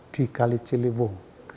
di kali ciliwung